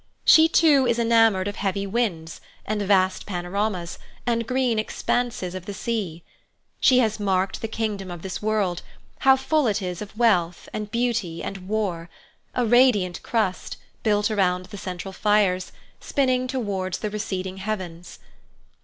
She too is enamoured of heavy winds, and vast panoramas, and green expanses of the sea. She has marked the kingdom of this world, how full it is of wealth, and beauty, and war—a radiant crust, built around the central fires, spinning towards the receding heavens.